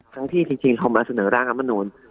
ทั้งที่จริงเรามาเสนอร่างอำนาจรัฐมนตรี